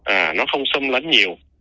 à nó không xâm lấn nhiều